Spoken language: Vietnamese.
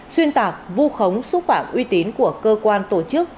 xuyên tạc vu khống xúc phạm uy tín của cơ quan tổ chức